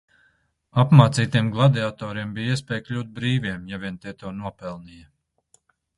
Apmācītiem gladiatoriem bija iespēja kļūt brīviem, ja vien tie to nopelnīja.